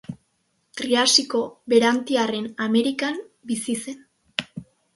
Triasiko Berantiarrean Amerikan bizi zen.